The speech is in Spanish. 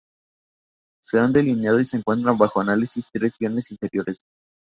Se han delineado y se encuentran bajo análisis tres regiones interiores.